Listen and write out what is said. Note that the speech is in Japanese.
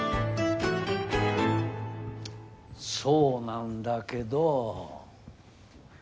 そうなんだけど。